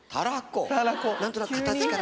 何となく形から？